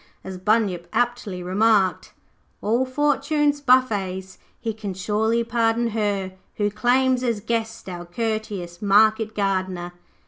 As Bunyip aptly remarked 'All Fortune's buffets he can surely pardon her, Who claims as guest our courteous Market Gardener.'